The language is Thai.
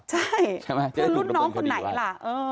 ใช่คือรุ่นน้องคนไหนล่ะ